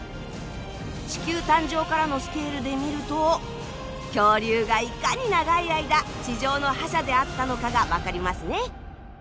地球誕生からのスケールで見ると恐竜がいかに長い間地上の覇者であったのかが分かりますね。